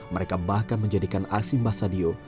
mereka bahkan menjadikan aksi mbah sadio